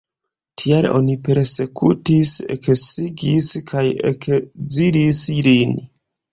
Tial oni persekutis, eksigis kaj ekzilis lin.